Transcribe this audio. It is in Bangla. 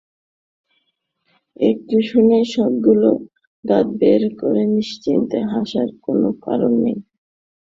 এটুকু শুনেই সবগুলো দাঁত বের করে নিঃশব্দে হাসার কোনো কারণ নেই।